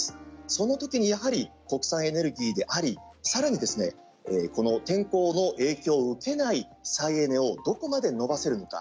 そんな時にやはり国産エネルギーであり更に、天候の影響を受けない再エネをどこまで伸ばせるのか。